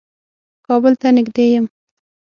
کابل ته نېږدې يم.